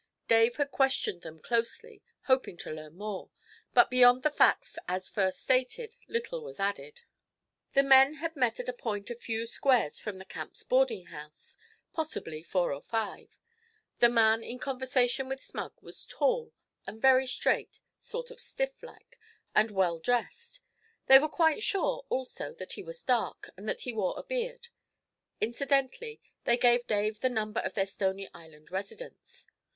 Dave had questioned them closely, hoping to learn more; but beyond the facts as first stated little was added. The men had met at a point 'a few squares' from the Camps' 'boarding house' possibly four or five. The man in conversation with Smug was tall, and very straight, 'sort of stiff like,' and well dressed. They were quite sure, also, that he was dark, and that he wore a beard. Incidentally they gave Dave the number of their Stony Island residence.